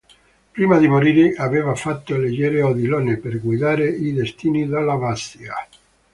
Prima di morire, aveva fatto eleggere Odilone per guidare i destini dell'abbazia.